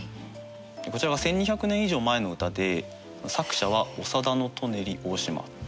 こちらは１，２００年以上前の歌で作者は他田舎人大島。